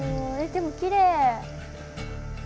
でもきれい。